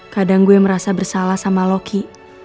kadang gue yang merasa bersalah sama loki